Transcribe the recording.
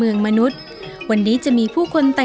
สงกรานภาคใต้